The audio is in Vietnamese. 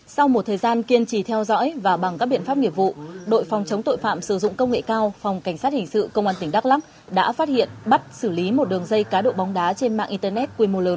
sau một thời gian kiên trì theo dõi và bằng các biện pháp nghiệp vụ đội phòng chống tội phạm sử dụng công nghệ cao phòng cảnh sát hình sự công an tỉnh đắk lắc đã phát hiện bắt xử lý một đường dây cá độ bóng đá trên mạng internet quy mô lớn